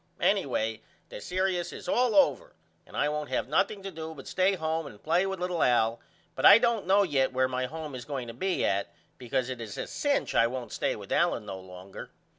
Anyway the serious is all over and I won't have nothing to do but stay home and play with little Al but I don't know yet where my home is going to be at because it is a cinch I won't stay with Allen no longer.